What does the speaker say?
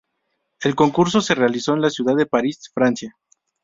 El concurso se realizó en la ciudad de París, Francia.